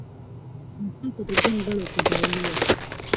د دې خلکو د ژوند بڼه قبایلي وه.